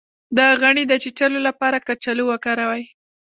د غڼې د چیچلو لپاره کچالو وکاروئ